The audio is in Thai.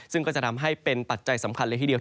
ซึ่งก็จะทำให้เป็นปัจจัยสำคัญเลยทีเดียว